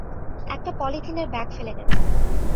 একটা পলিথিনের ব্যাগ ফেলে গেছেন।